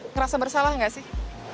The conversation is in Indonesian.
ngerasa bersalah nggak sih